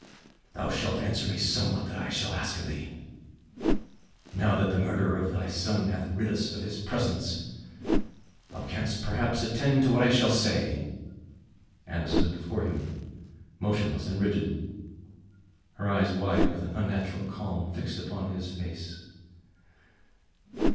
"Thou shalt answer me somewhat that I shall ask of thee. Now that the murderer of thy son hath rid us of his presence thou canst perhaps attend to what I shall say." Anna stood before him, motionless and rigid, her eyes wide with an unnatural calm fixed upon his face.